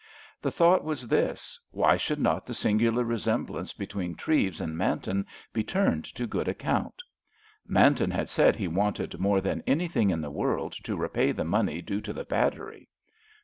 The thought was this: why should not the singular resemblance between Treves and Manton be turned to good account? Manton had said he wanted more than anything in the world to repay the money due to the battery.